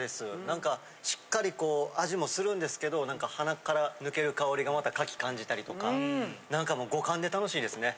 何かしっかりこう味もするんですけど鼻からぬける香りがまた牡蠣感じたりとか何かもう五感で楽しいですね。